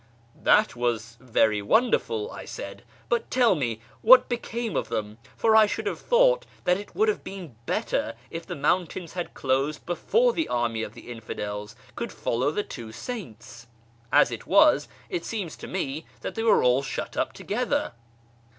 " That was very wonderful," I said, " but tell me what became of them, for I should have thought that it would have been better if the mountain had closed before the ' army of the infidels,' could follow the two saints. As it was, it seems to me that they were all shut up together."